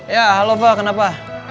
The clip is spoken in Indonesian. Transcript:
ya halo fah kenapa